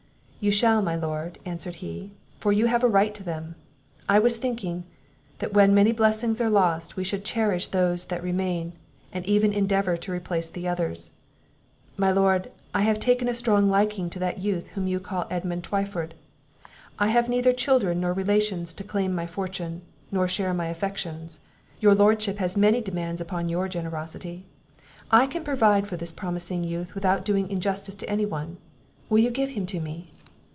"You shall, my Lord," answered he, "for you have a right to them. I was thinking, that when many blessings are lost, we should cherish those that remain, and even endeavour to replace the others. My Lord, I have taken a strong liking to that youth whom you call Edmund Twyford; I have neither children nor relations to claim my fortune, nor share my affections; your Lordship has many demands upon your generosity: I can provide for this promising youth without doing injustice to any one; will you give him to me?"